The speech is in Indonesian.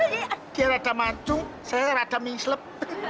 dia rada macung saya rada mingslep